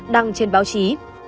đăng trên báo chí